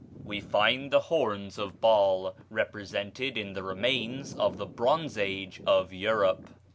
We find the horns of Baal represented in the remains of the Bronze Age of Europe.